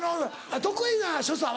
得意な所作は？